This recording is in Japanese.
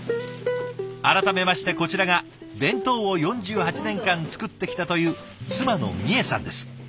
改めましてこちらが弁当を４８年間作ってきたという妻のみえさんです。